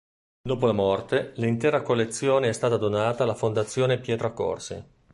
Dopo la morte, l'intera collezione è stata donata alla "Fondazione Pietro Accorsi".